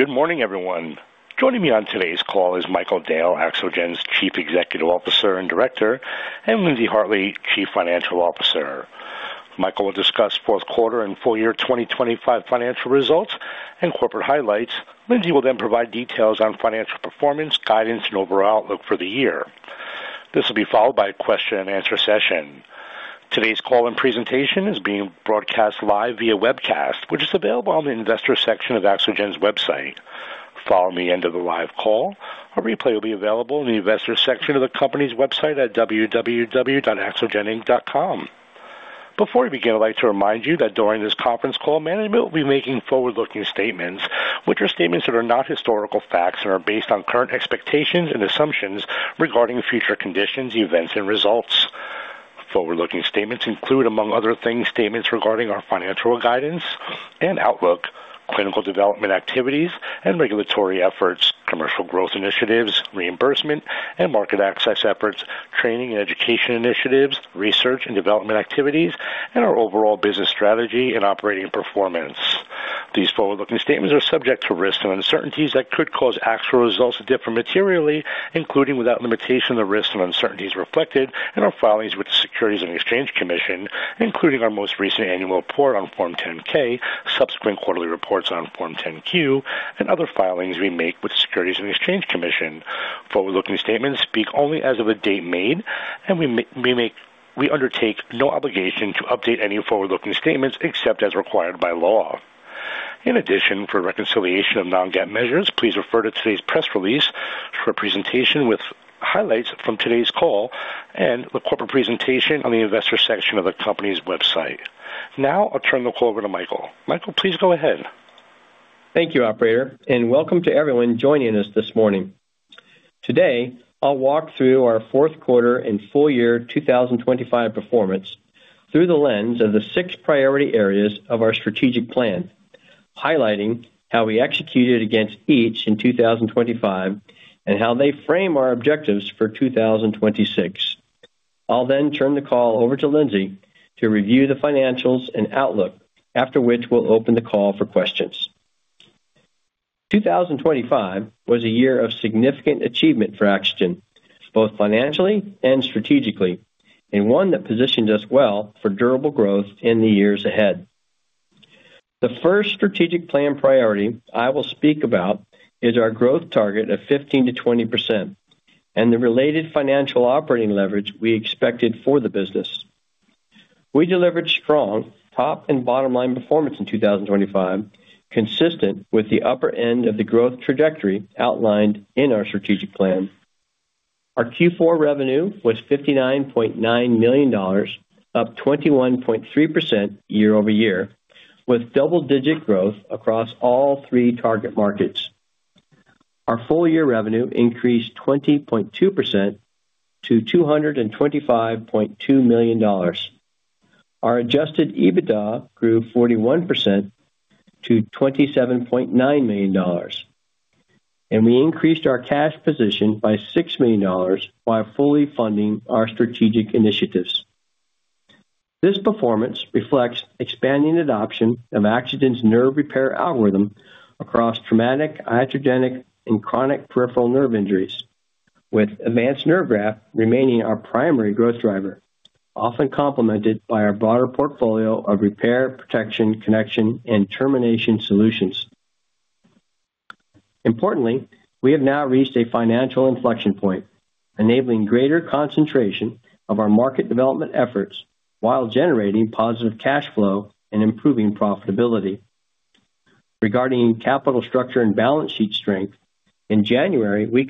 Good morning, everyone. Joining me on today's call is Michael Dale, AxoGen's Chief Executive Officer and Director, and Lindsey Hartley, Chief Financial Officer. Michael will discuss fourth quarter and full year 2025 financial results and corporate highlights. Lindsey will then provide details on financial performance, guidance, and overall outlook for the year. This will be followed by a question-and-answer session. Today's call and presentation is being broadcast live via webcast, which is available on the investor section of AxoGen's website. Following the end of the live call, a replay will be available in the investor section of the company's website at www.axogeninc.com. Before we begin, I'd like to remind you that during this conference call, management will be making forward-looking statements, which are statements that are not historical facts and are based on current expectations and assumptions regarding future conditions, events, and results. Forward-looking statements include, among other things, statements regarding our financial guidance and outlook, clinical development activities and regulatory efforts, commercial growth initiatives, reimbursement and market access efforts, training and education initiatives, research and development activities, and our overall business strategy and operating performance. These forward-looking statements are subject to risks and uncertainties that could cause actual results to differ materially, including, without limitation, the risks and uncertainties reflected in our filings with the Securities and Exchange Commission, including our most recent annual report on Form 10-K, subsequent quarterly reports on Form 10-Q, and other filings we make with the Securities and Exchange Commission. Forward-looking statements speak only as of the date made, and we make no obligation to update any forward-looking statements except as required by law. In addition, for reconciliation of non-GAAP measures, please refer to today's press release for a presentation with highlights from today's call and the corporate presentation on the investor section of the company's website. Now I'll turn the call over to Michael. Michael, please go ahead. Thank you, operator, and welcome to everyone joining us this morning. Today, I'll walk through our fourth quarter and full year 2025 performance through the lens of the six priority areas of our strategic plan, highlighting how we executed against each in 2025 and how they frame our objectives for 2026. I'll turn the call over to Lindsey to review the financials and outlook, after which we'll open the call for questions. 2025 was a year of significant achievement for AxoGen, both financially and strategically, and one that positions us well for durable growth in the years ahead. The first strategic plan priority I will speak about is our growth target of 15%-20% and the related financial operating leverage we expected for the business. We delivered strong top and bottom-line performance in 2025, consistent with the upper end of the growth trajectory outlined in our strategic plan. Our Q4 revenue was $59.9 million, up 21.3% year-over-year, with double-digit growth across all three target markets. Our full year revenue increased 20.2% to $225.2 million. Our Adjusted EBITDA grew 41% to $27.9 million. We increased our cash position by $6 million while fully funding our strategic initiatives. This performance reflects expanding adoption of AxoGen's nerve repair algorithm across traumatic, iatrogenic, and chronic peripheral nerve injuries, with Avance nerve graft remaining our primary growth driver, often complemented by our broader portfolio of repair, protection, connection, and termination solutions. Importantly, we have now reached a financial inflection point, enabling greater concentration of our market development efforts while generating positive cash flow and improving profitability. Regarding capital structure and balance sheet strength, in January, we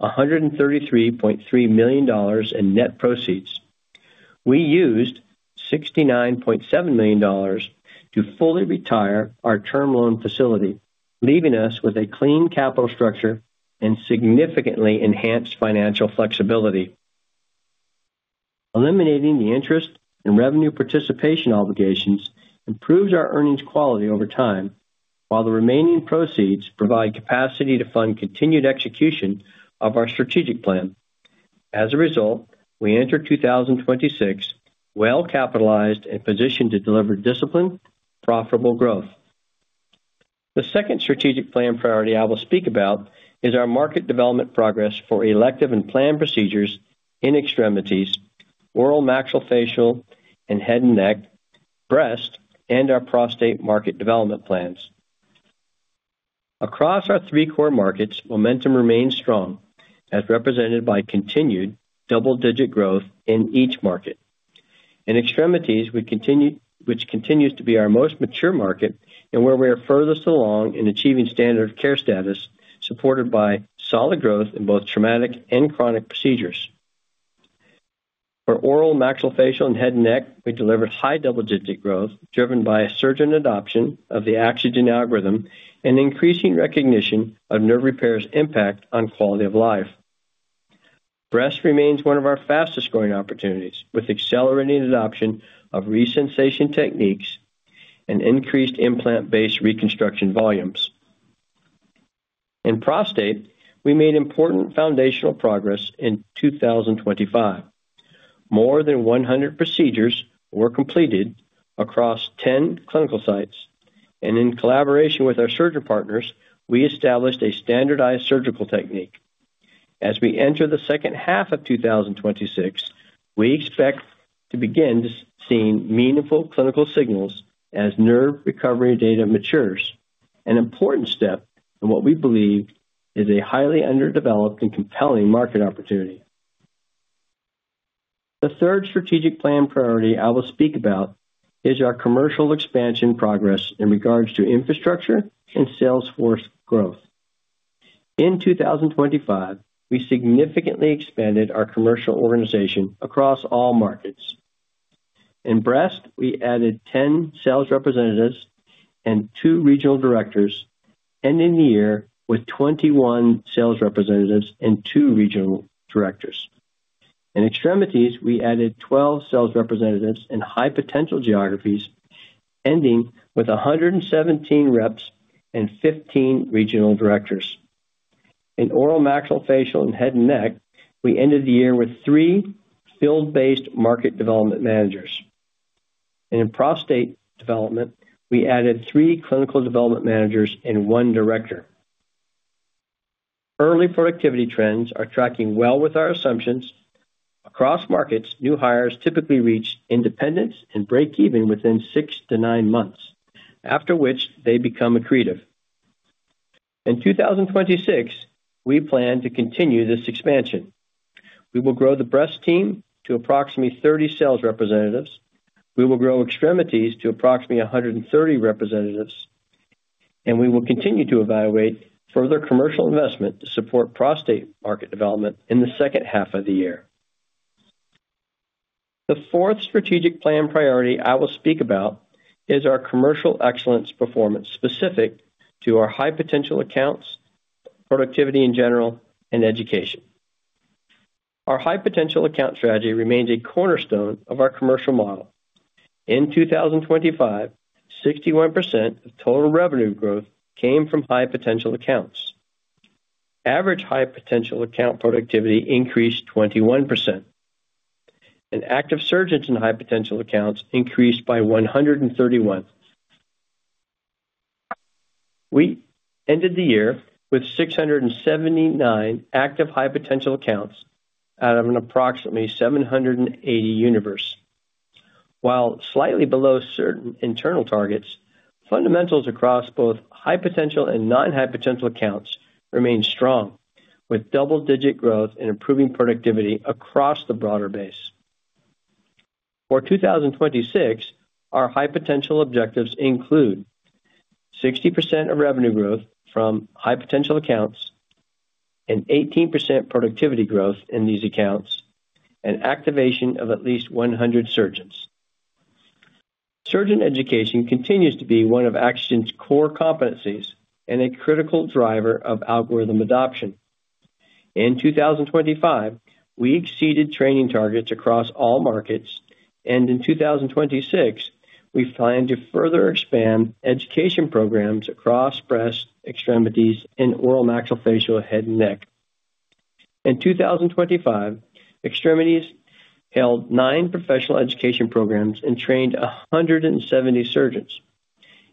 completed an upsized public offering, raising $133.3 million in net proceeds. We used $69.7 million to fully retire our term loan facility, leaving us with a clean capital structure and significantly enhanced financial flexibility. Eliminating the interest and revenue participation obligations improves our earnings quality over time, while the remaining proceeds provide capacity to fund continued execution of our strategic plan. As a result, we enter 2026 well capitalized and positioned to deliver disciplined, profitable growth. The second strategic plan priority I will speak about is our market development progress for elective and planned procedures in extremities, oral maxillofacial and head and neck, breast, and our prostate market development plans. Across our three core markets, momentum remains strong, as represented by continued double-digit growth in each market. In extremities, which continues to be our most mature market and where we are furthest along in achieving standard of care status, supported by solid growth in both traumatic and chronic procedures. For oral maxillofacial and head and neck, we delivered high double-digit growth, driven by a surgeon adoption of the AxoGen algorithm and increasing recognition of nerve repair's impact on quality of life. Breast remains one of our fastest-growing opportunities, with accelerating adoption of Resensation techniques and increased implant-based reconstruction volumes. In prostate, we made important foundational progress in 2025. More than 100 procedures were completed across 10 clinical sites, and in collaboration with our surgeon partners, we established a standardized surgical technique. As we enter the second half of 2026, we expect to begin seeing meaningful clinical signals as nerve recovery data matures, an important step in what we believe is a highly underdeveloped and compelling market opportunity. The third strategic plan priority I will speak about is our commercial expansion progress in regards to infrastructure and sales force growth. In 2025, we significantly expanded our commercial organization across all markets. In breast, we added 10 sales representatives and two regional directors, ending the year with 21 sales representatives and two regional directors. In extremities, we added 12 sales representatives in high potential geographies, ending with 117 reps and 15 regional directors. In oral and maxillofacial and head and neck, we ended the year with three field-based market development managers. In prostate development, we added three clinical development managers and one director. Early productivity trends are tracking well with our assumptions. Across markets, new hires typically reach independence and breakeven within six to nine months, after which they become accretive. In 2026, we plan to continue this expansion. We will grow the breast team to approximately 30 sales representatives. We will grow extremities to approximately 130 representatives. We will continue to evaluate further commercial investment to support prostate market development in the second half of the year. The fourth strategic plan priority I will speak about is our commercial excellence performance, specific to our high potential accounts, productivity in general, and education. Our high potential account strategy remains a cornerstone of our commercial model. In 2025, 61% of total revenue growth came from high potential accounts. Average high potential account productivity increased 21%, and active surgeons in high potential accounts increased by 131. We ended the year with 679 active high potential accounts out of an approximately 780 universe. While slightly below certain internal targets, fundamentals across both high potential and non-high potential accounts remain strong, with double-digit growth and improving productivity across the broader base. For 2026, our high potential objectives include 60% of revenue growth from high potential accounts and 18% productivity growth in these accounts, and activation of at least 100 surgeons. Surgeon education continues to be one of AxoGen's core competencies and a critical driver of algorithm adoption. In 2025, we exceeded training targets across all markets, and in 2026, we plan to further expand education programs across breast, extremities, and oral maxillofacial, head and neck. In 2025, extremities held nine professional education programs and trained 170 surgeons.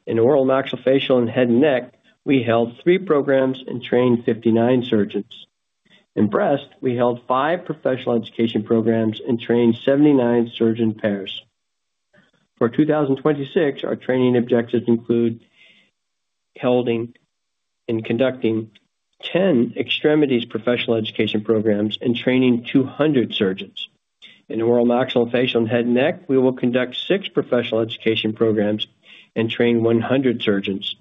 In oral maxillofacial and head and neck, we held three programs and trained 59 surgeons. In breast, we held five professional education programs and trained 79 surgeon pairs. For 2026, our training objectives include holding and conducting 10 extremities professional education programs and training 200 surgeons. In oral maxillofacial and head and neck, we will conduct six professional education programs and train 100 surgeons.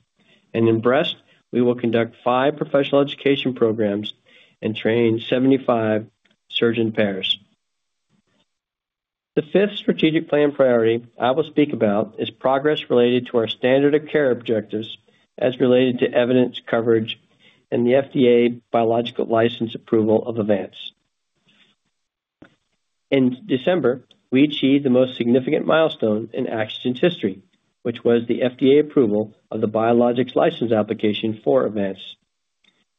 In breast, we will conduct five professional education programs and train 75 surgeon pairs. The fifth strategic plan priority I will speak about is progress related to our standard of care objectives as related to evidence coverage and the FDA biological license approval of Avance. In December, we achieved the most significant milestone in AxoGen's history, which was the FDA approval of the Biologics License Application for Avance.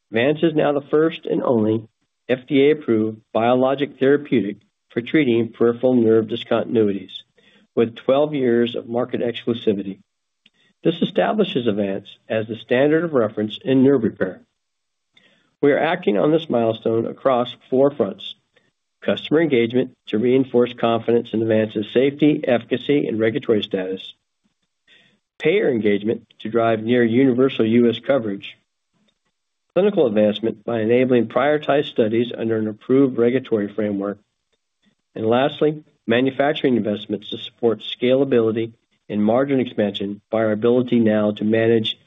Avance is now the first and only FDA-approved biologic therapeutic for treating peripheral nerve discontinuities, with 12 years of market exclusivity. This establishes Avance as the standard of reference in nerve repair. We are acting on this milestone across four fronts: customer engagement to reinforce confidence in Avance's safety, efficacy, and regulatory status, payer engagement to drive near universal U.S. coverage, clinical advancement by enabling prioritized studies under an approved regulatory framework, and lastly, manufacturing investments to support scalability and margin expansion by our ability now to manage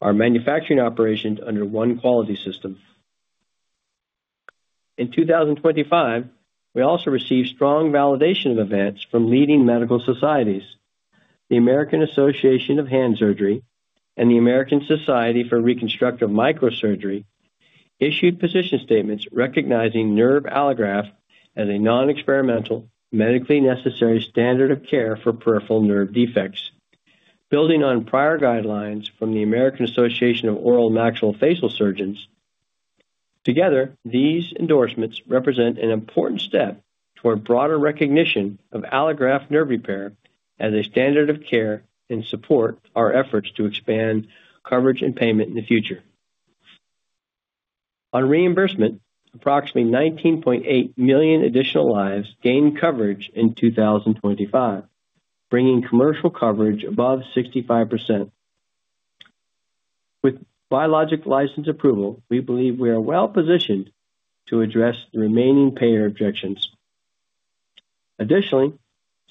our manufacturing operations under one quality system. In 2025, we also received strong validation of events from leading medical societies. The American Association of Hand Surgery and the American Society for Reconstructive Microsurgery issued position statements recognizing nerve allograft as a non-experimental, medically necessary standard of care for peripheral nerve defects. Building on prior guidelines from the American Association of Oral and Maxillofacial Surgeons, together, these endorsements represent an important step toward broader recognition of allograft nerve repair as a standard of care and support our efforts to expand coverage and payment in the future. On reimbursement, approximately 19.8 million additional lives gained coverage in 2025, bringing commercial coverage above 65%. With Biologic License approval, we believe we are well-positioned to address the remaining payer objections. Additionally,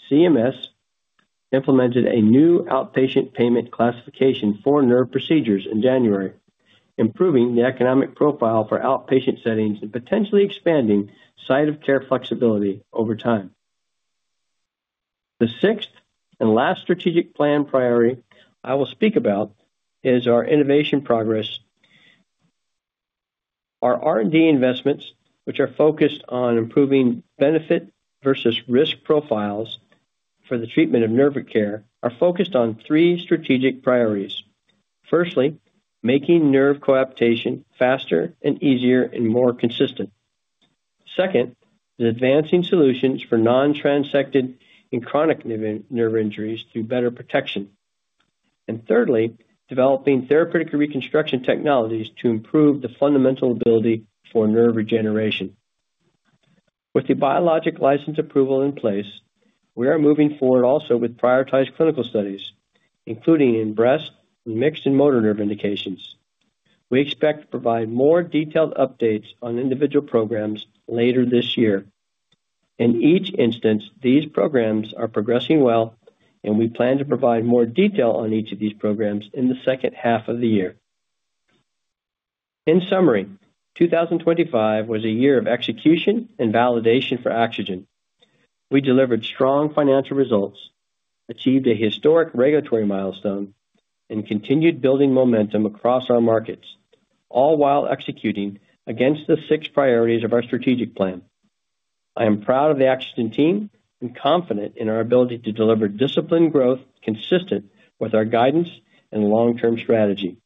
CMS implemented a new outpatient payment classification for nerve procedures in January, improving the economic profile for outpatient settings and potentially expanding site of care flexibility over time. The sixth and last strategic plan priority I will speak about is our innovation progress. Our R&D investments, which are focused on improving benefit versus risk profiles for the treatment of nerve care, are focused on three strategic priorities. Making nerve coaptation faster and easier and more consistent. Second, is advancing solutions for non-transected and chronic nerve injuries through better protection. Thirdly, developing therapeutic reconstruction technologies to improve the fundamental ability for nerve regeneration. With the Biologic license approval in place, we are moving forward also with prioritized clinical studies, including in breast, mixed, and motor nerve indications. We expect to provide more detailed updates on individual programs later this year. In each instance, these programs are progressing well, and we plan to provide more detail on each of these programs in the second half of the year. In summary, 2025 was a year of execution and validation for AxoGen. We delivered strong financial results, achieved a historic regulatory milestone, and continued building momentum across our markets, all while executing against the six priorities of our strategic plan. I am proud of the AxoGen team and confident in our ability to deliver disciplined growth consistent with our guidance and long-term strategy.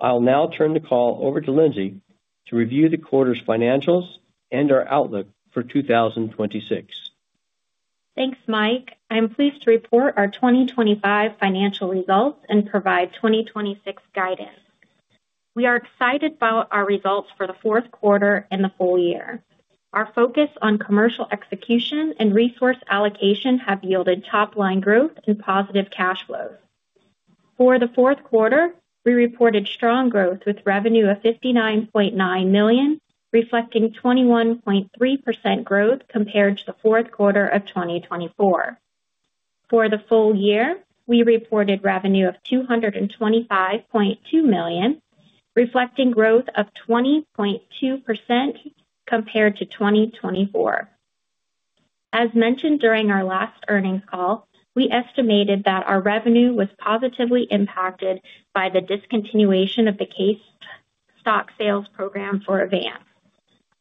I'll now turn the call over to Lindsey to review the quarter's financials and our outlook for 2026. Thanks, Mike. I'm pleased to report our 2025 financial results and provide 2026 guidance. We are excited about our results for the fourth quarter and the full year. Our focus on commercial execution and resource allocation have yielded top line growth and positive cash flows. For the fourth quarter, we reported strong growth, with revenue of $59.9 million, reflecting 21.3% growth compared to the fourth quarter of 2024. For the full year, we reported revenue of $225.2 million, reflecting growth of 20.2% compared to 2024. As mentioned during our last earnings call, we estimated that our revenue was positively impacted by the discontinuation of the case stock sales program for Avance.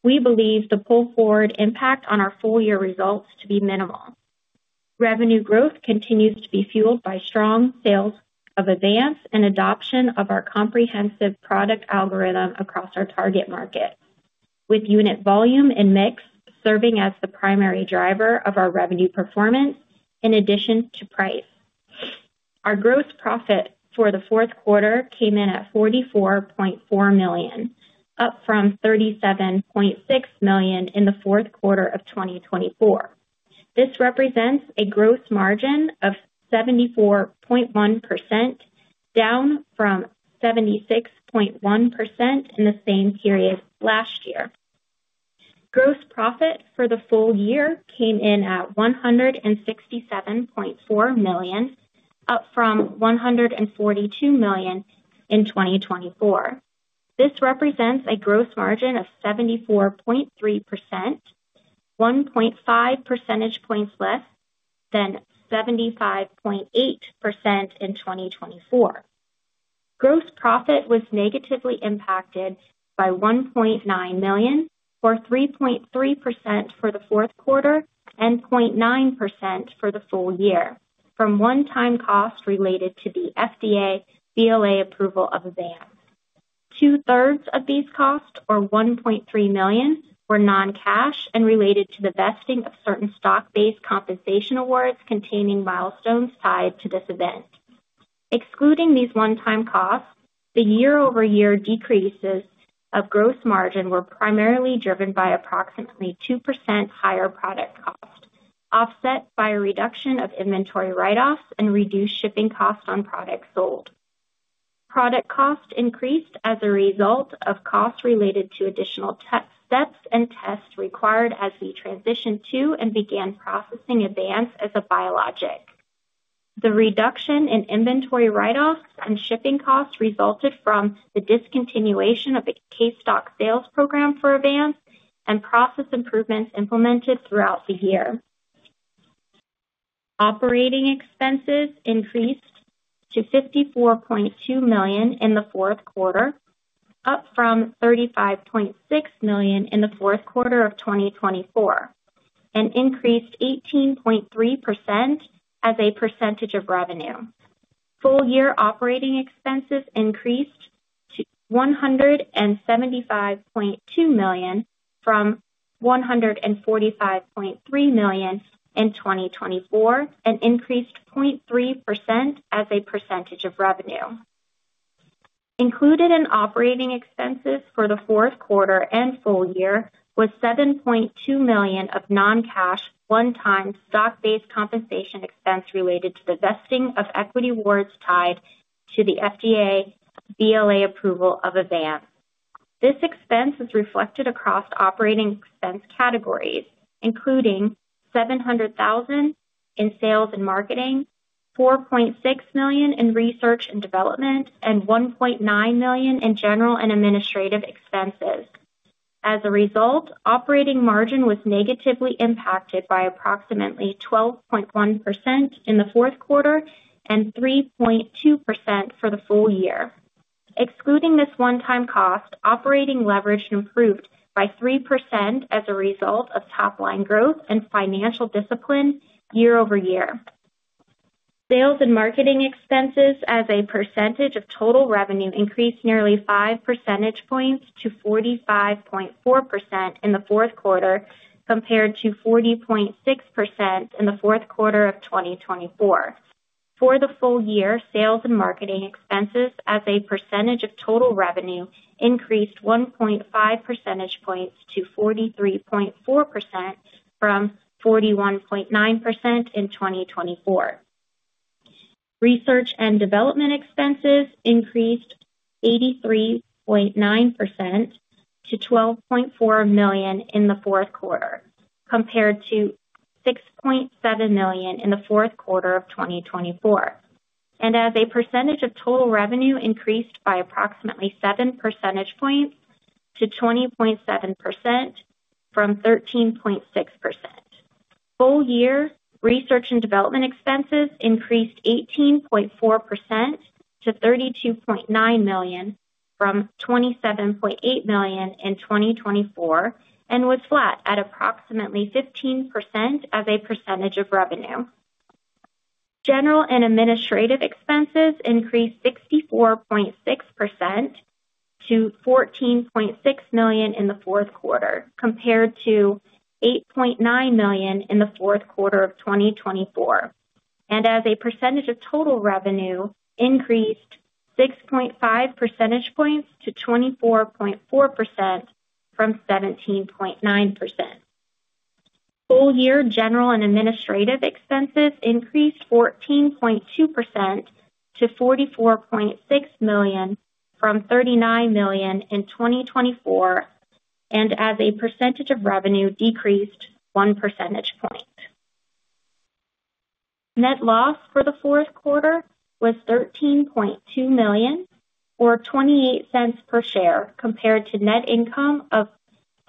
We believe the pull forward impact on our full year results to be minimal. Revenue growth continues to be fueled by strong sales of Avance and adoption of our comprehensive nerve repair algorithm across our target market, with unit volume and mix serving as the primary driver of our revenue performance in addition to price. Our gross profit for the fourth quarter came in at $44.4 million, up from $37.6 million in the fourth quarter of 2024. This represents a gross margin of 74.1%, down from 76.1% in the same period last year. Gross profit for the full year came in at $167.4 million, up from $142 million in 2024. This represents a gross margin of 74.3%, 1.5 percentage points less than 75.8% in 2024. Gross profit was negatively impacted by $1.9 million, or 3.3% for the fourth quarter, and 0.9% for the full year, from one-time costs related to the FDA BLA approval of Avance. Two-thirds of these costs, or $1.3 million, were non-cash and related to the vesting of certain stock-based compensation awards containing milestones tied to this event. Excluding these one-time costs, the year-over-year decreases of gross margin were primarily driven by approximately 2% higher product cost, offset by a reduction of inventory write-offs and reduced shipping costs on products sold. Product cost increased as a result of costs related to additional test steps and tests required as we transitioned to and began processing Avance as a biologic. The reduction in inventory write-offs and shipping costs resulted from the discontinuation of the case stock sales program for Avance and process improvements implemented throughout the year. Operating expenses increased to $54.2 million in the fourth quarter, up from $35.6 million in the fourth quarter of 2024. Increased 18.3% as a percentage of revenue. Full year operating expenses increased to $175.2 million from $145.3 million in 2024, and increased 0.3% as a percentage of revenue. Included in operating expenses for the fourth quarter and full year was $7.2 million of non-cash, one-time stock-based compensation expense related to the vesting of equity awards tied to the FDA BLA approval of Avance. This expense is reflected across operating expense categories, including $700,000 in sales and marketing, $4.6 million in research and development, and $1.9 million in general and administrative expenses. As a result, operating margin was negatively impacted by approximately 12.1% in the fourth quarter and 3.2% for the full year. Excluding this one-time cost, operating leverage improved by 3% as a result of top line growth and financial discipline year-over-year. Sales and marketing expenses as a percentage of total revenue increased nearly 5 percentage points to 45.4% in the fourth quarter, compared to 40.6% in the fourth quarter of 2024. For the full year, sales and marketing expenses as a percentage of total revenue increased 1.5 percentage points to 43.4% from 41.9% in 2024. Research and development expenses increased 83.9% to $12.4 million in the fourth quarter, compared to $6.7 million in the fourth quarter of 2024, and as a percentage of total revenue increased by approximately 7 percentage points to 20.7% from 13.6%. Full year research and development expenses increased 18.4% to $32.9 million from $27.8 million in 2024, and was flat at approximately 15% as a percentage of revenue. General and administrative expenses increased 64.6% to $14.6 million in the fourth quarter, compared to $8.9 million in the fourth quarter of 2024, and as a percentage of total revenue increased 6.5 percentage points to 24.4% from 17.9%. Full year general and administrative expenses increased 14.2% to $44.6 million from $39 million in 2024, and as a percentage of revenue decreased 1 percentage point. Net loss for the fourth quarter was $13.2 million, or $0.28 per share, compared to net income of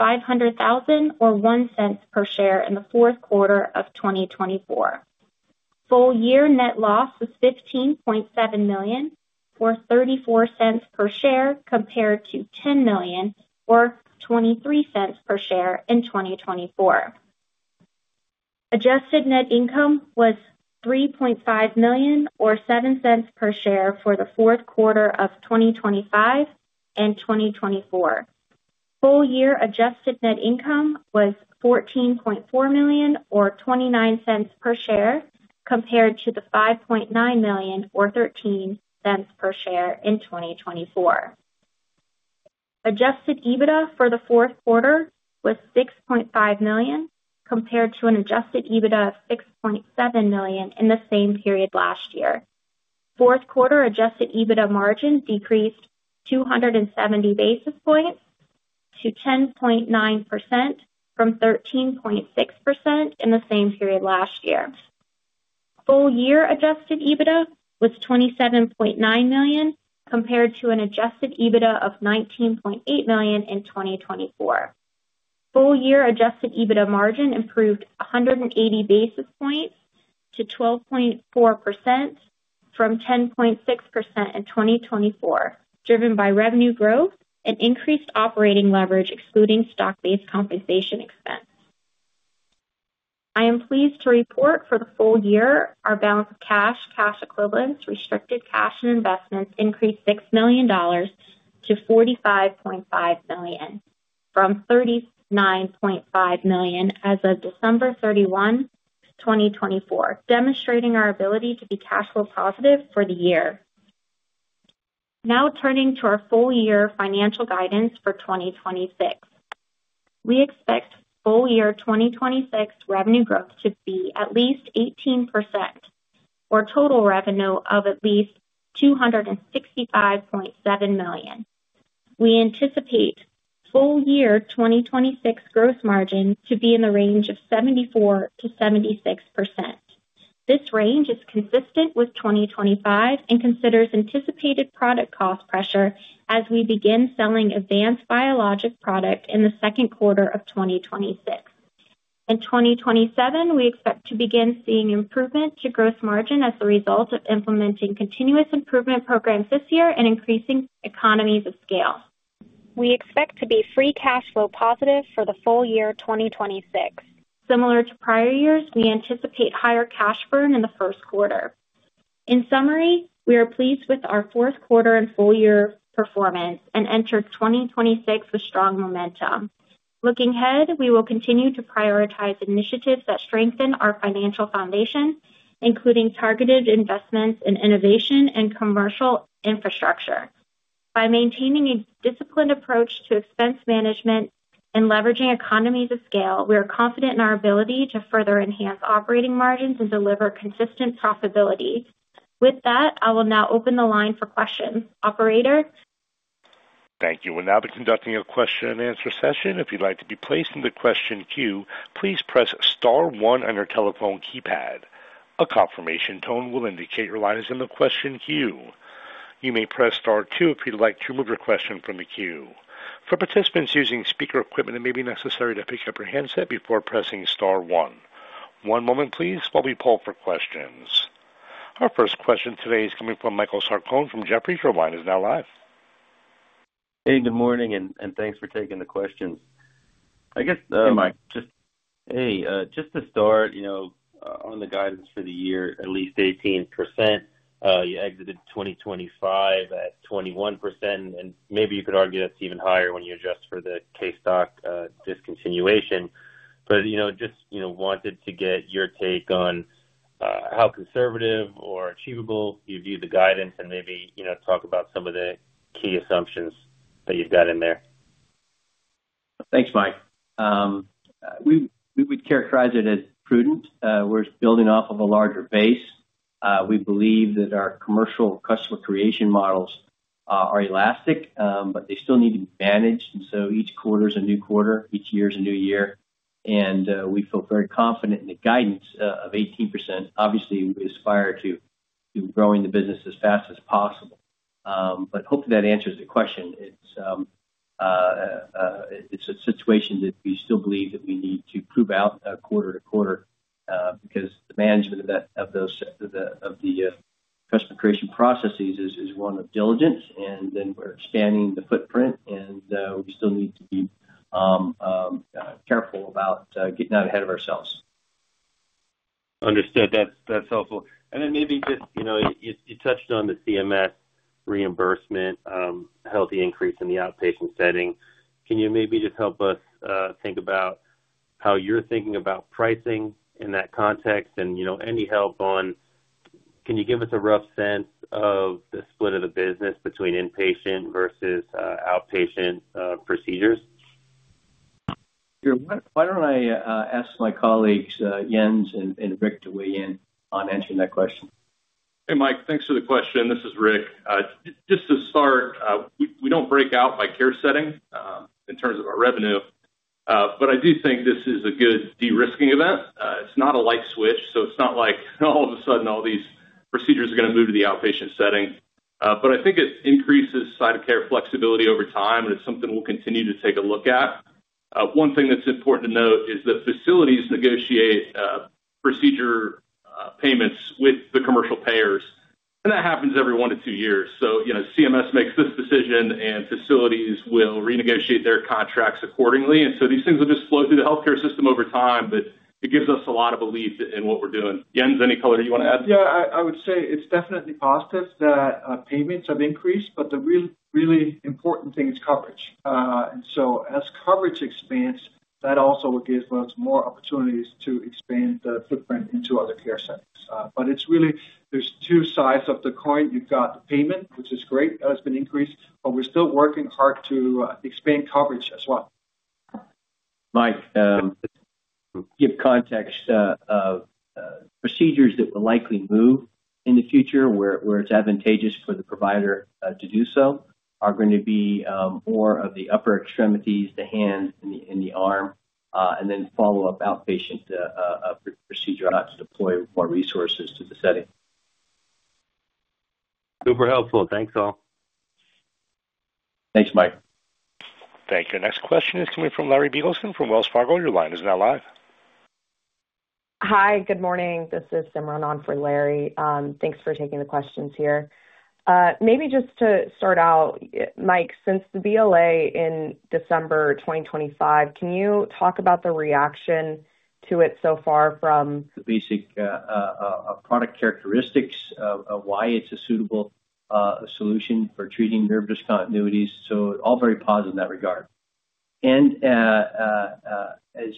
$500,000 or $0.01 per share in the fourth quarter of 2024. Full year net loss was $15.7 million, or $0.34 per share, compared to $10 million, or $0.23 per share in 2024. Adjusted net income was $3.5 million or $0.07 per share for the fourth quarter of 2025 and 2024. Full year adjusted net income was $14.4 million or $0.29 per share, compared to the $5.9 million or $0.13 per share in 2024. Adjusted EBITDA for the 4th quarter was $6.5 million, compared to an Adjusted EBITDA of $6.7 million in the same period last year. Fourth quarter Adjusted EBITDA margin decreased 270 basis points to 10.9% from 13.6% in the same period last year. Full year Adjusted EBITDA was $27.9 million, compared to an Adjusted EBITDA of $19.8 million in 2024. Full year Adjusted EBITDA margin improved 180 basis points to 12.4% from 10.6% in 2024, driven by revenue growth and increased operating leverage, excluding stock-based compensation expense. I am pleased to report for the full year, our balance of cash equivalents, restricted cash and investments increased $6 million-$45.5 million from $39.5 million as of December 31, 2024, demonstrating our ability to be cash flow positive for the year. Turning to our full year financial guidance for 2026. We expect full year 2026 revenue growth to be at least 18%, or total revenue of at least $265.7 million. We anticipate full year 2026 gross margin to be in the range of 74%-76%. This range is consistent with 2025 and considers anticipated product cost pressure as we begin selling Avance biologic product in the second quarter of 2026. In 2027, we expect to begin seeing improvement to gross margin as a result of implementing continuous improvement programs this year and increasing economies of scale. We expect to be free cash flow positive for the full year 2026. Similar to prior years, we anticipate higher cash burn in the first quarter. In summary, we are pleased with our fourth quarter and full year performance and entered 2026 with strong momentum. Looking ahead, we will continue to prioritize initiatives that strengthen our financial foundation, including targeted investments in innovation and commercial infrastructure. By maintaining a disciplined approach to expense management and leveraging economies of scale, we are confident in our ability to further enhance operating margins and deliver consistent profitability. With that, I will now open the line for questions. Operator? Thank you. We'll now be conducting a question and answer session. If you'd like to be placed in the question queue, please press star one on your telephone keypad. A confirmation tone will indicate your line is in the question queue. You may press star two if you'd like to remove your question from the queue. For participants using speaker equipment, it may be necessary to pick up your handset before pressing star one. One moment please, while we poll for questions. Our first question today is coming from Michael Sarcone from Jefferies. Your line is now live. Hey, good morning, and thanks for taking the questions. I guess. Hey, Mike. Hey, just to start, you know, on the guidance for the year, at least 18%, you exited 2025 at 21%, and maybe you could argue that's even higher when you adjust for the case stock discontinuation. You know, just, you know, wanted to get your take on how conservative or achievable you view the guidance and maybe, you know, talk about some of the key assumptions that you've got in there? Thanks, Mike. We, we would characterize it as prudent. We're building off of a larger base. We believe that our commercial customer creation models are elastic, but they still need to be managed. Each quarter is a new quarter, each year is a new year. We feel very confident in the guidance of 18%. Obviously, we aspire to growing the business as fast as possible. Hopefully that answers the question. It's a situation that we still believe that we need to prove out quarter to quarter, because the management of those, of the, of the, customer creation processes is one of diligence. Then we're expanding the footprint. We still need to be careful about getting out ahead of ourselves. Understood. That's helpful. Then maybe just, you know, you touched on the CMS reimbursement, healthy increase in the outpatient setting. Can you maybe just help us think about how you're thinking about pricing in that context? You know, any help on. Can you give us a rough sense of the split of the business between inpatient versus outpatient procedures? Sure. Why don't I ask my colleagues Jens and Rick to weigh in on answering that question? Hey, Mike, thanks for the question. This is Rick. Just to start, we don't break out by care setting in terms of our revenue, I do think this is a good de-risking event. It's not a light switch, it's not like all of a sudden, all these procedures are going to move to the outpatient setting. I think it increases site of care flexibility over time, it's something we'll continue to take a look at. One thing that's important to note is that facilities negotiate procedure payments with the commercial payers, that happens every one to two years. You know, CMS makes this decision, facilities will renegotiate their contracts accordingly. These things will just flow through the healthcare system over time, but it gives us a lot of belief in what we're doing. Jens, any color you want to add? I would say it's definitely positive that payments have increased, but the really important thing is coverage. As coverage expands, that also gives us more opportunities to expand the footprint into other care settings. It's really, there's two sides of the coin. You've got the payment, which is great, it's been increased, but we're still working hard to expand coverage as well. Mike, give context of procedures that will likely move in the future, where it's advantageous for the provider to do so, are going to be more of the upper extremities, the hands and the arm, and then follow-up outpatient procedure to deploy more resources to the setting. Super helpful. Thanks, all. Thanks, Mike. Thank you. Next question is coming from Larry Biegelsen from Wells Fargo. Your line is now live. Hi, good morning. This is Simran on for Larry. Thanks for taking the questions here. Maybe just to start out, Mike, since the BLA in December 2025, can you talk about the reaction to it so far? The basic product characteristics of why it's a suitable solution for treating nerve discontinuities, all very positive in that regard. As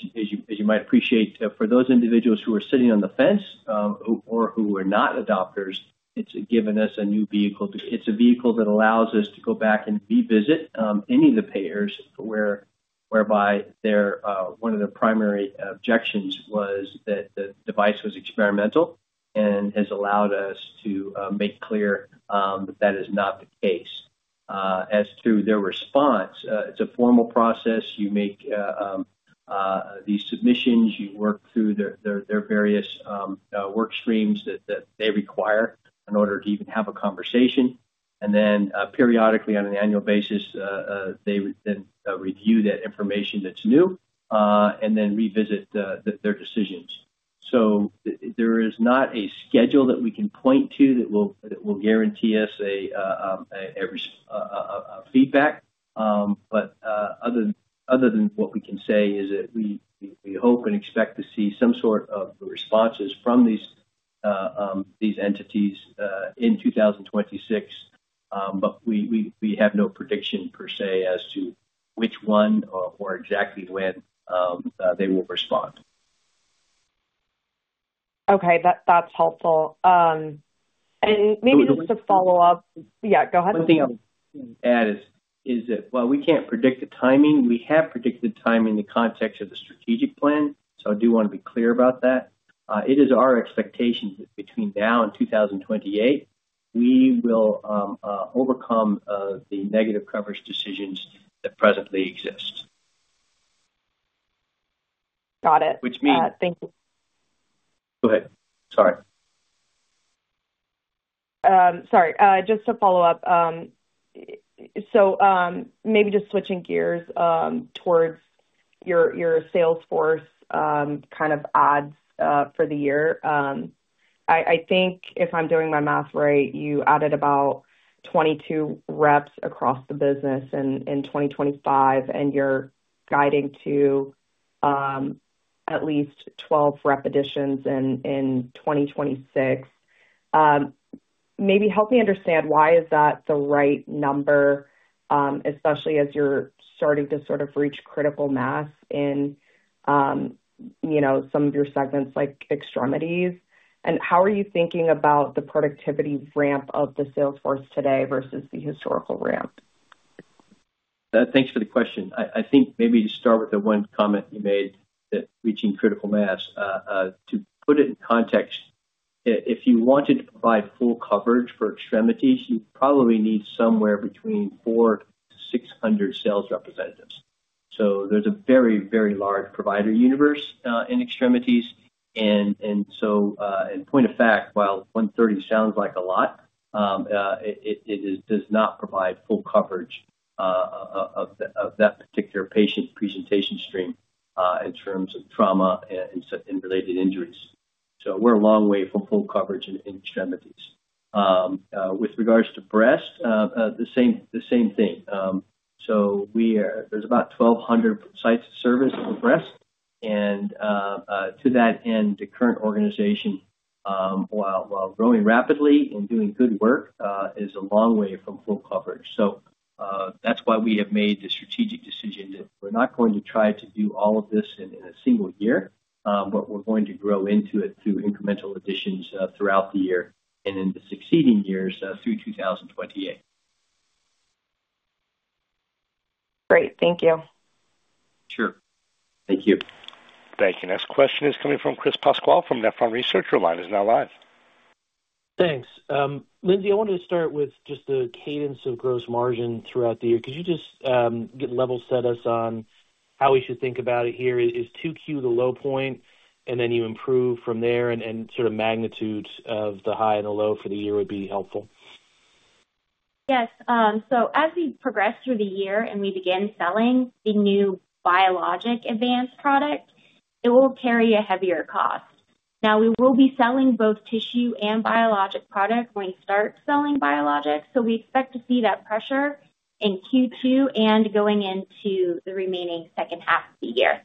you might appreciate, for those individuals who are sitting on the fence, or who are not adopters, it's given us a new vehicle. It's a vehicle that allows us to go back and revisit any of the payers, whereby their one of the primary objections was that the device was experimental and has allowed us to make clear that that is not the case. As to their response, it's a formal process. You make these submissions, you work through their various work streams that they require in order to even have a conversation. Periodically, on an annual basis, they then review that information that's new, and then revisit their decisions. There is not a schedule that we can point to that will, that will guarantee us a feedback. Other, other than what we can say is that we, we hope and expect to see some sort of responses from these entities, in 2026. We, we have no prediction per se, as to which one or exactly when, they will respond. Okay, that's helpful. Maybe just to follow up. Yeah, go ahead. Add is that while we can't predict the timing, we have predicted the timing in the context of the strategic plan, I do want to be clear about that. It is our expectation that between now and 2028, we will overcome the negative coverage decisions that presently exist. Got it. Which means- Thank you. Go ahead, sorry. Sorry. Just to follow up, maybe just switching gears towards your sales force, kind of adds for the year. I think if I'm doing my math right, you added about 22 reps across the business in 2025, and you're guiding to at least 12 rep additions in 2026. Maybe help me understand why is that the right number, especially as you're starting to sort of reach critical mass in, you know, some of your segments, like extremities. How are you thinking about the productivity ramp of the sales force today versus the historical ramp? Thanks for the question. I think maybe to start with the one comment you made, that reaching critical mass. To put it in context, if you wanted to provide full coverage for extremities, you'd probably need somewhere between 400-600 sales representatives. There's a very, very large provider universe in extremities. In point of fact, while 130 sounds like a lot, it does not provide full coverage of that particular patient presentation stream in terms of trauma and related injuries. We're a long way from full coverage in extremities. With regards to breast, the same thing. There's about 1,200 sites of service for breast, and to that end, the current organization, while growing rapidly and doing good work, is a long way from full coverage. That's why we have made the strategic decision that we're not going to try to do all of this in a single year, but we're going to grow into it through incremental additions throughout the year and in the succeeding years, through 2028. Great. Thank you. Sure. Thank you. Thank you. Next question is coming from Chris Pasquale from Nephron Research. Your line is now live. Thanks. Lindsey, I wanted to start with just the cadence of gross margin throughout the year. Could you just get level set us on how we should think about it here? Is 2Q the low point, and then you improve from there, and sort of magnitudes of the high and the low for the year would be helpful. Yes. As we progress through the year and we begin selling the new biologic Avance product, it will carry a heavier cost. We will be selling both tissue and biologic products when we start selling biologics, so we expect to see that pressure in Q2 and going into the remaining second half of the year.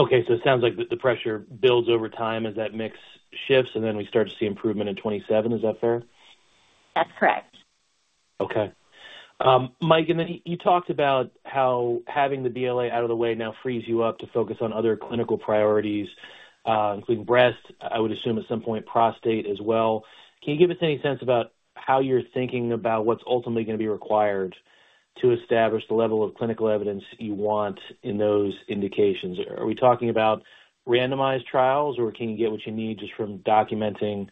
Okay, it sounds like the pressure builds over time as that mix shifts, and then we start to see improvement in 2027. Is that fair? That's correct. Okay. Mike, then you talked about how having the BLA out of the way now frees you up to focus on other clinical priorities, including breast, I would assume at some point, prostate as well. Can you give us any sense about how you're thinking about what's ultimately going to be required to establish the level of clinical evidence you want in those indications? Are we talking about randomized trials, or can you get what you need just from documenting,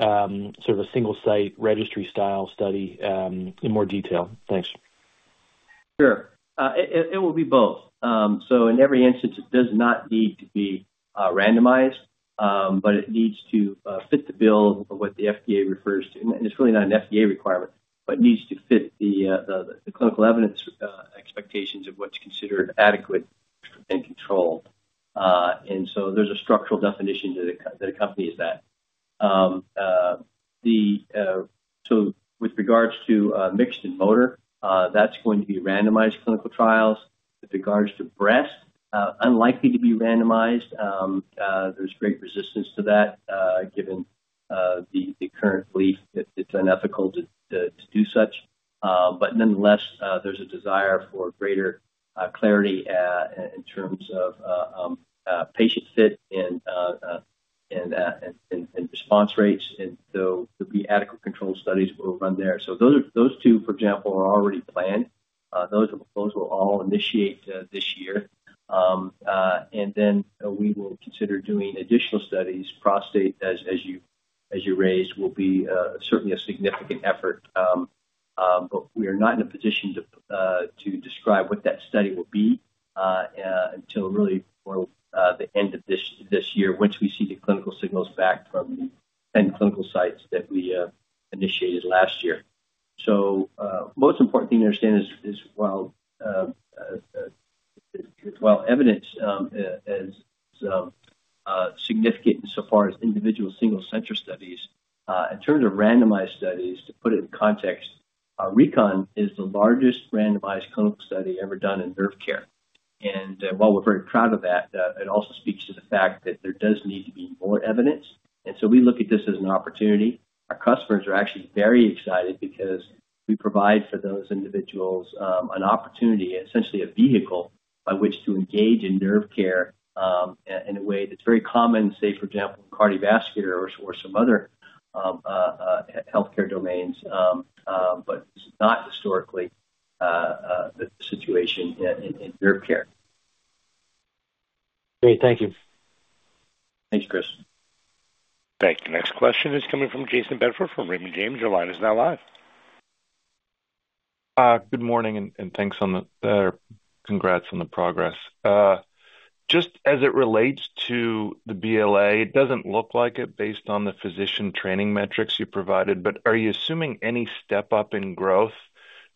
sort of a single-site registry-style study, in more detail? Thanks. Sure. It will be both. In every instance, it does not need to be randomized, but it needs to fit the bill of what the FDA refers to. It's really not an FDA requirement, but needs to fit the clinical evidence expectations of what's considered adequate and well-controlled. There's a structural definition that accompanies that. With regards to mixed and motor, that's going to be randomized clinical trials. With regards to breast, unlikely to be randomized. There's great resistance to that, given the current belief that it's unethical to do such. Nonetheless, there's a desire for greater clarity in terms of patient fit and response rates, and so the adequate control studies will run there. Those two, for example, are already planned. Those will all initiate this year. We will consider doing additional studies. Prostate as you raised, will be certainly a significant effort. We are not in a position to describe what that study will be until really more the end of this year, once we see the clinical signals back from the 10 clinical sites that we initiated last year. Most important thing to understand is while evidence is significant insofar as individual single center studies, in terms of randomized studies, to put it in context, RECON is the largest randomized clinical study ever done in nerve care. While we're very proud of that, it also speaks to the fact that there does need to be more evidence. We look at this as an opportunity. Our customers are actually very excited because we provide for those individuals, an opportunity, essentially a vehicle, by which to engage in nerve care, in a way that's very common, say, for example, cardiovascular or some other healthcare domains, but this is not historically the situation in nerve care. Great. Thank you. Thanks, Chris. Thank you. Next question is coming from Jayson Bedford from Raymond James. Your line is now live. Good morning, and thanks on the congrats on the progress. Just as it relates to the BLA, it doesn't look like it based on the physician training metrics you provided, but are you assuming any step-up in growth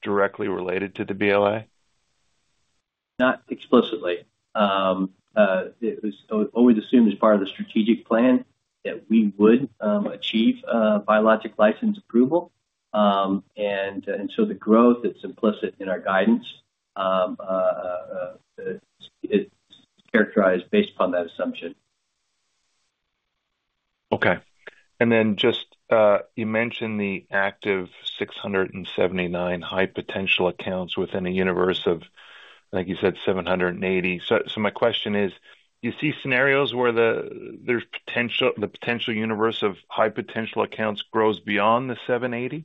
directly related to the BLA? Not explicitly. It was always assumed as part of the strategic plan that we would achieve a biologic license approval. The growth that's implicit in our guidance it's characterized based upon that assumption. Okay. Just, you mentioned the active 679 high potential accounts within a universe of, I think you said 780. My question is, do you see scenarios where the potential universe of high potential accounts grows beyond the 780?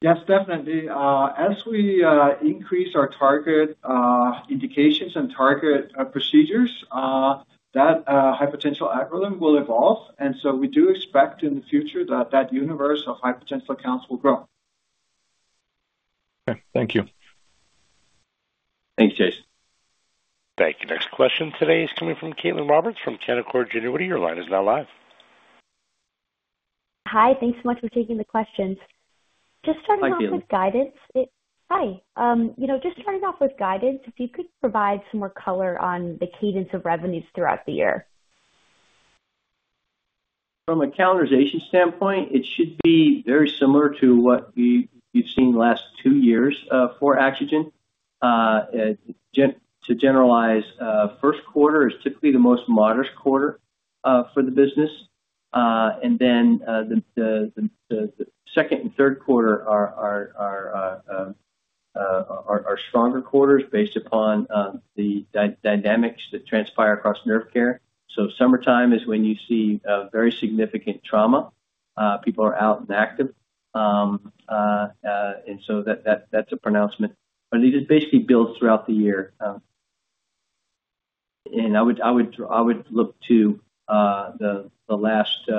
Yes, definitely. as we increase our target indications and target procedures, that high potential algorithm will evolve, and so we do expect in the future that that universe of high potential accounts will grow. Okay. Thank you. Thanks, Jayson. Thank you. Next question today is coming from Caitlin Roberts from Canaccord Genuity. Your line is now live. Hi, thanks so much for taking the questions. Hi, Caitlin. With guidance. Hi, you know, just starting off with guidance, if you could provide some more color on the cadence of revenues throughout the year? From a calendarization standpoint, it should be very similar to what we've seen the last two years for AxoGen. To generalize, first quarter is typically the most modest quarter for the business. The second and third quarter are stronger quarters based upon the dynamics that transpire across nerve care. Summertime is when you see very significant trauma. People are out and active. That's a pronouncement, but it just basically builds throughout the year. I would look to the last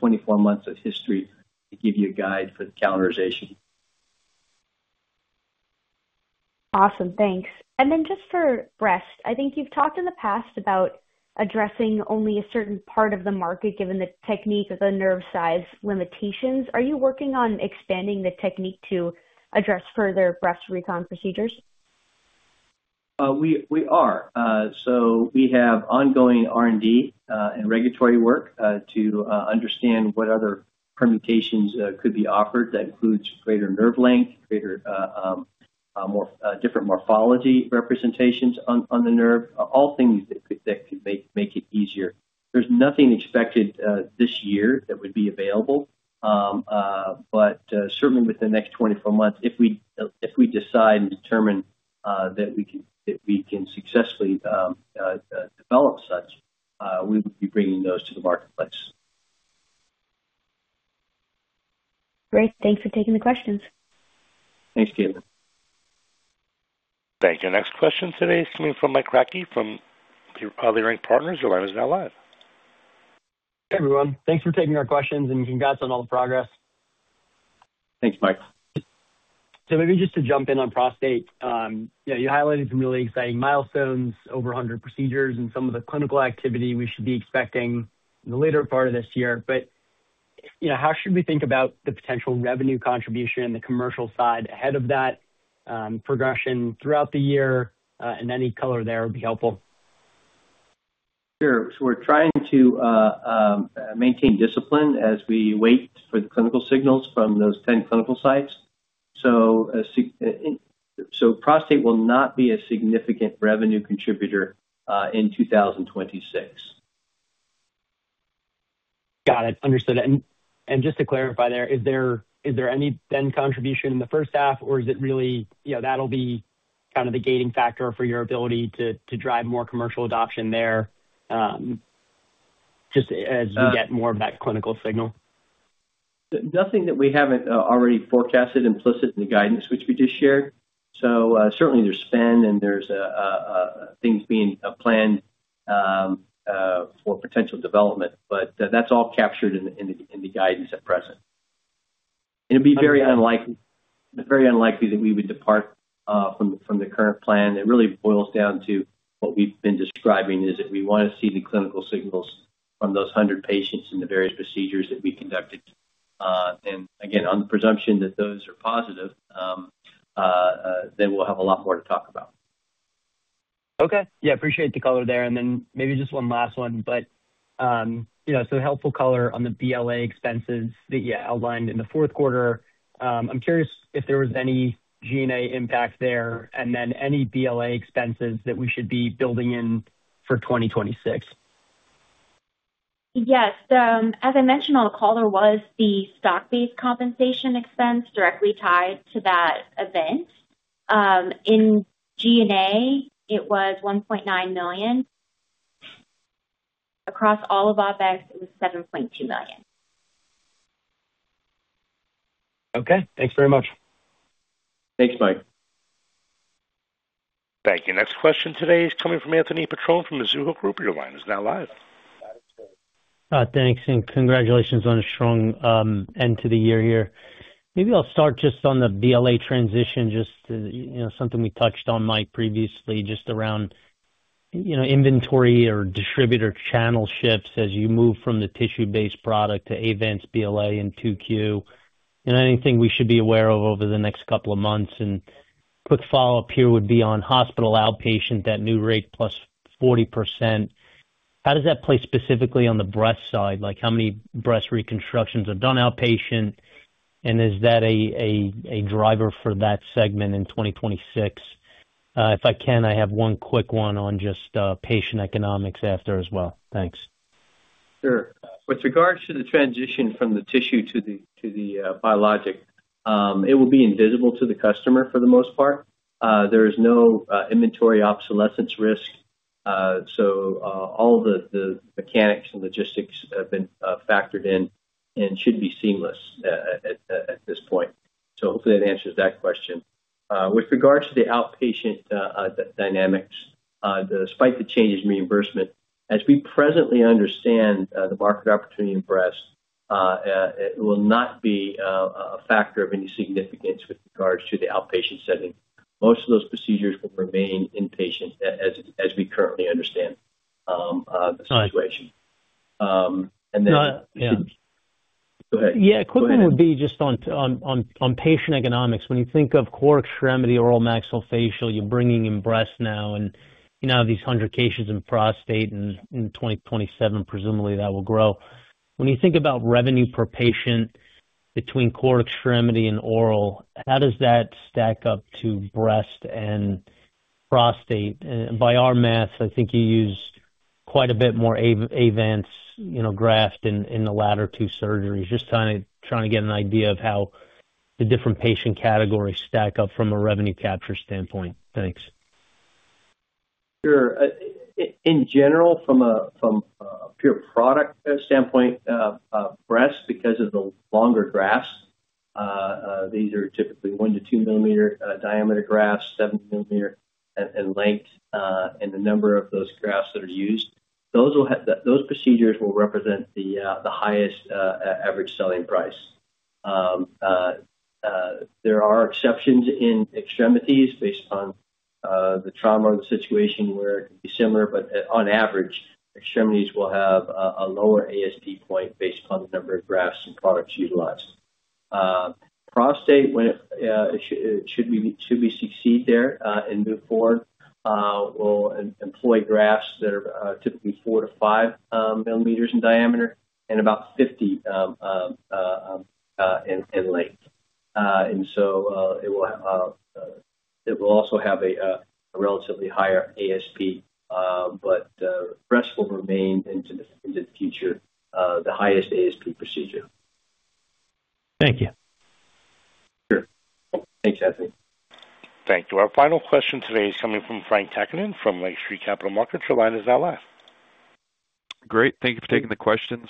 24 months of history to give you a guide for the calendarization. Awesome. Thanks. Then just for breast, I think you've talked in the past about addressing only a certain part of the market, given the technique of the nerve size limitations. Are you working on expanding the technique to address further breast recon procedures? We are. We have ongoing R&D and regulatory work to understand what other permutations could be offered. That includes greater nerve length, greater different morphology representations on the nerve, all things that could make it easier. There's nothing expected this year that would be available. Certainly within the next 24 months, if we decide and determine that we can successfully develop such, we would be bringing those to the marketplace. Great. Thanks for taking the questions. Thanks, Caitlin. Thank you. Next question today is coming from Mike Kratky from Leerink Partners. Your line is now live. Hey, everyone. Thanks for taking our questions, and congrats on all the progress. Thanks, Mike. Maybe just to jump in on prostate, you know, you highlighted some really exciting milestones, over 100 procedures and some of the clinical activity we should be expecting in the later part of this year. You know, how should we think about the potential revenue contribution and the commercial side ahead of that progression throughout the year? Any color there would be helpful. Sure. We're trying to maintain discipline as we wait for the clinical signals from those 10 clinical sites. Prostate will not be a significant revenue contributor in 2026. Got it. Understood. Just to clarify there, is there any then contribution in the first half, or is it really, you know, that'll be kind of the gating factor for your ability to drive more commercial adoption there. Uh. You get more of that clinical signal? Nothing that we haven't already forecasted implicit in the guidance which we just shared. Certainly there's spend, and there's things being planned for potential development. That's all captured in the guidance at present. It's very unlikely that we would depart from the current plan. It really boils down to what we've been describing, is that we want to see the clinical signals from those 100 patients in the various procedures that we conducted. Again, on the presumption that those are positive, then we'll have a lot more to talk about. Okay. Yeah, appreciate the color there. Maybe just one last one. You know, so helpful color on the BLA expenses that you outlined in the fourth quarter. I'm curious if there was any G&A impact there, any BLA expenses that we should be building in for 2026? Yes. As I mentioned on the call, there was the stock-based compensation expense directly tied to that event. In G&A, it was $1.9 million. Across all of OpEx, it was $7.2 million. Okay. Thanks very much. Thanks, Mike. Thank you. Next question today is coming from Anthony Petrone from Mizuho Group. Your line is now live. Thanks, and congratulations on a strong end to the year here. Maybe I'll start just on the BLA transition, just to, you know, something we touched on, Mike, previously, just around, you know, inventory or distributor channel shifts as you move from the tissue-based product to Avance BLA in 2Q, and anything we should be aware of over the next couple of months. Quick follow-up here would be on hospital outpatient, that new rate plus 40%. How does that play specifically on the breast side? Like, how many breast reconstructions are done outpatient, and is that a driver for that segment in 2026? If I can, I have one quick one on just patient economics after as well. Thanks. Sure. With regards to the transition from the tissue to the biologic, it will be invisible to the customer for the most part. There is no inventory obsolescence risk, so all the mechanics and logistics have been factored in and should be seamless at this point. Hopefully that answers that question. With regards to the outpatient dynamics, despite the changes in reimbursement, as we presently understand, the market opportunity in breast, it will not be a factor of any significance with regards to the outpatient setting. Most of those procedures will remain inpatient as we currently understand, the situation. Got it. Um, and then- Yeah. Go ahead. Yeah, quick one would be just on patient economics. When you think of core extremity, oral maxillofacial, you're bringing in breast now, and you now have these 100 cases in prostate, and in 2027, presumably that will grow. When you think about revenue per patient between core extremity and oral, how does that stack up to breast and prostate? By our math, I think you used quite a bit more Avance, you know, graft in the latter two surgeries. Trying to get an idea of how the different patient categories stack up from a revenue capture standpoint. Thanks. Sure. In general, from a pure product standpoint, breast, because of the longer grafts, these are typically 1-2 millimeter diameter grafts, 7 millimeter in length, and the number of those grafts that are used, those procedures will represent the highest average selling price. There are exceptions in extremities based on the trauma or the situation where it could be similar, but on average, extremities will have a lower ASP point based on the number of grafts and products utilized. Prostate, when we succeed there and move forward, we'll employ grafts that are typically 4-5 millimeters in diameter and about 50 in length. It will also have a relatively higher ASP, but breast will remain into the future, the highest ASP procedure. Thank you. Sure. Thanks, Anthony. Thank you. Our final question today is coming from Frank Takkinen from Lake Street Capital Markets. Your line is now live. Great, thank you for taking the questions.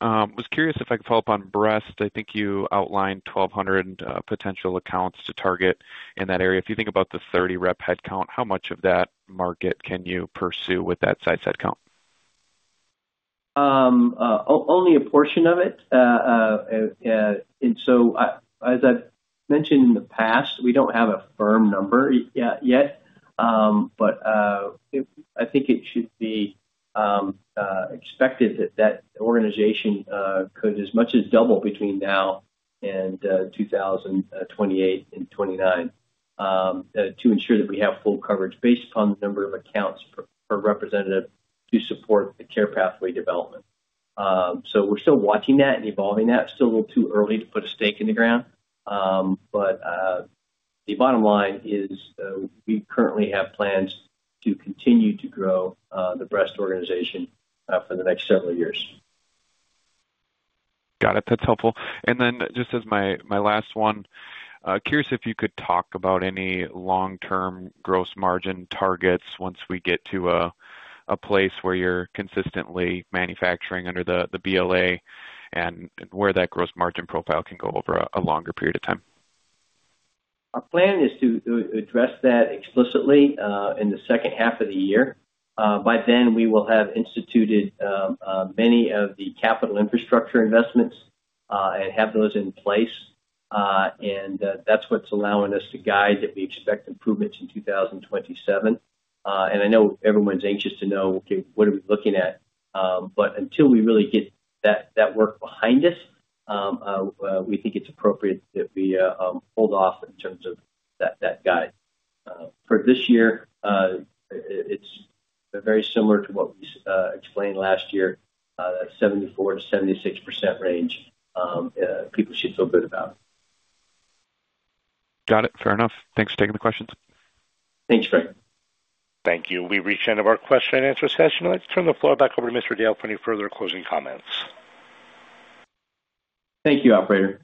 Was curious if I could follow up on breast. I think you outlined 1,200 potential accounts to target in that area. If you think about the 30 rep headcount, how much of that market can you pursue with that size headcount? Only a portion of it. As I've mentioned in the past, we don't have a firm number yet, but I think it should be expected that that organization could as much as double between now and 2028 and 2029 to ensure that we have full coverage based on the number of accounts per representative to support the care pathway development. We're still watching that and evolving that. Still a little too early to put a stake in the ground. The bottom line is, we currently have plans to continue to grow the breast organization for the next several years. Got it. That's helpful. Then just as my last one, curious if you could talk about any long-term gross margin targets once we get to a place where you're consistently manufacturing under the BLA, and where that gross margin profile can go over a longer period of time? Our plan is to address that explicitly in the second half of the year. By then, we will have instituted many of the capital infrastructure investments and have those in place. That's what's allowing us to guide that we expect improvements in 2027. I know everyone's anxious to know, okay, what are we looking at? Until we really get that work behind us, we think it's appropriate that we hold off in terms of that guide. For this year, it's very similar to what we explained last year, that 74%-76% range, people should feel good about. Got it. Fair enough. Thanks for taking the questions. Thanks, Frank. Thank you. We've reached the end of our question and answer session. I'd like to turn the floor back over to Michael Dale for any further closing comments. Thank you, Operator.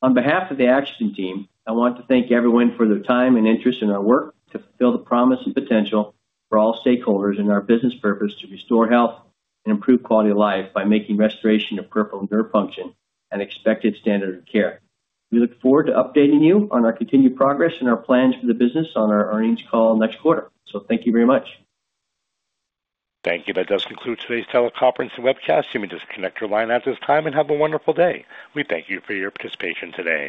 On behalf of the AxoGen team, I want to thank everyone for their time and interest in our work to fulfill the promise and potential for all stakeholders and our business purpose to restore health and improve quality of life by making restoration of peripheral nerve function an expected standard of care. We look forward to updating you on our continued progress and our plans for the business on our earnings call next quarter. Thank you very much. Thank you. That does conclude today's teleconference and webcast. You may disconnect your line at this time, and have a wonderful day. We thank you for your participation today.